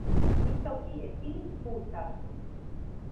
mi toki e pilin pu taso.